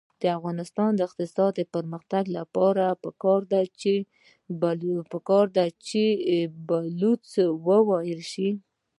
د افغانستان د اقتصادي پرمختګ لپاره پکار ده چې بلوڅي وویل شي.